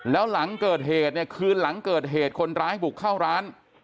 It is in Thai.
แล้วหลังเกิดเหตุเนี่ยคืนหลังเกิดเหตุคนร้ายบุกเข้าร้าน